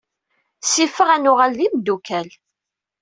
Sifeɣ ad nuɣal d imeddukal.